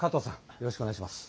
よろしくお願いします。